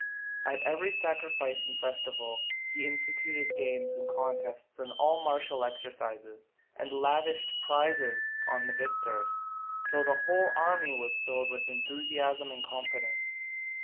At every sacrifice and festival he instituted games and contests in all martial exercises, and lavished prizes on the victors, till the whole army was filled with enthusiasm and confidence.